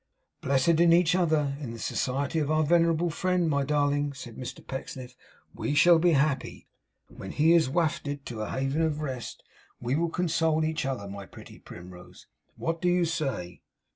'Blessed in each other, and in the society of our venerable friend, my darling,' said Mr Pecksniff, 'we shall be happy. When he is wafted to a haven of rest, we will console each other. My pretty primrose, what do you say?